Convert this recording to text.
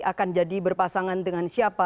akan jadi berpasangan dengan siapa